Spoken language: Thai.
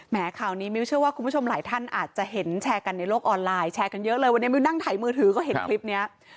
ข่าวนี้มิ้วเชื่อว่าคุณผู้ชมหลายท่านอาจจะเห็นแชร์กันในโลกออนไลน์แชร์กันเยอะเลยวันนี้มิวนั่งถ่ายมือถือก็เห็นคลิปนี้